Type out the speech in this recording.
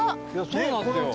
そうなんすよ。